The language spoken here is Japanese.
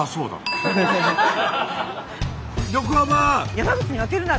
山口に負けるな！